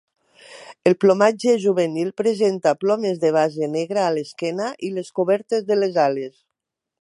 El plomatge juvenil presenta plomes de base negra a l'esquena i les cobertes de les ales.